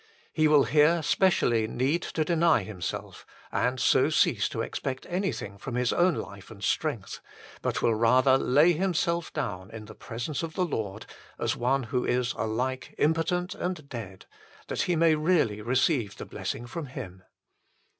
He will here specially need to deny himself, and so cease to expect anything from his own life and strength, but will rather lay himself down in the presence of the Lord as one who is alike impotent and dead, that he may really receive the blessing from Him.